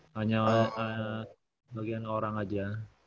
hanya bagian orang aja